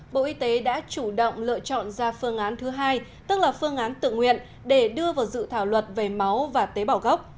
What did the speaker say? bộ y tế đã chủ động lựa chọn ra phương án thứ hai tức là phương án tự nguyện để đưa vào dự thảo luật về máu và tế bảo gốc